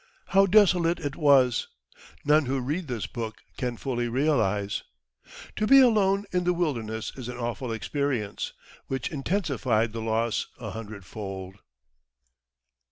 How desolate it was, none who read this book can fully realise. To be alone in the wilderness is an awful experience, which intensified the loss a hundred fold.